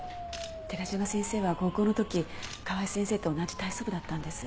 寺島先生は高校の時川井先生と同じ体操部だったんです。